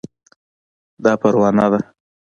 دا پروانه ده